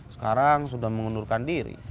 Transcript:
sekarang sudah mengundurkan diri